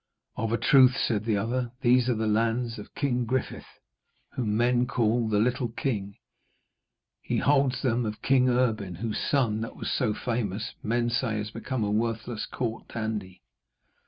'Of a truth,' said the other, 'these are the lands of King Griffith, whom men call the Little King. He holds them of King Erbin, whose son, that was so famous, men say has become a worthless court dandy.'